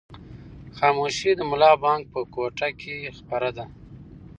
خاموشي د ملا بانګ په کوټه کې خپره ده.